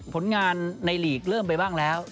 ผลงานในหลีกเริ่มไปบ้างแล้ว